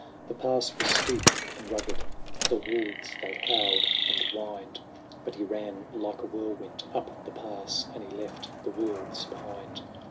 The pass was steep and rugged. The wolves they howled and whined ; But he ran like a whirlwind up the pass, And he left the wolves behind.